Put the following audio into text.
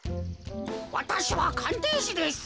わたしはかんていしです。